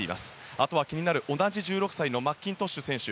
あとは気になる、同じ１６歳のマッキントッシュ選手。